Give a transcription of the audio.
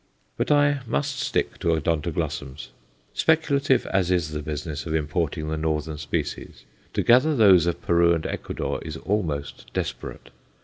But I must stick to Odontoglossums. Speculative as is the business of importing the northern species, to gather those of Peru and Ecuador is almost desperate.